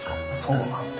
そうなんです。